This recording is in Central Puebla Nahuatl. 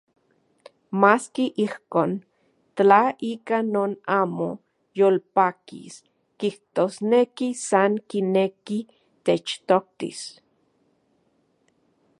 Maski ijkon, tla ika non amo yolpakis, kijtosneki san kineki techtoktis.